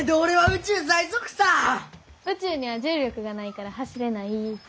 宇宙には重力がないから走れない。